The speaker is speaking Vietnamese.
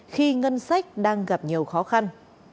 khi ngân sách đang gặp nhiều khó khăn